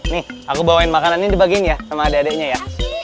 nih aku bawain makanan ini dibagiin ya sama adik adiknya ya